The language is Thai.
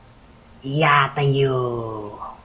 ญาตะโย